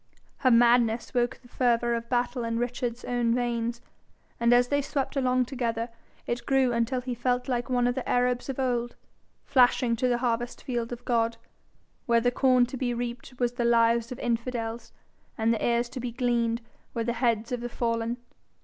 Her madness woke the fervour of battle in Richard's own veins, and as they swept along together, it grew until he felt like one of the Arabs of old, flashing to the harvest field of God, where the corn to be reaped was the lives of infidels, and the ears to be gleaned were the heads of the fallen.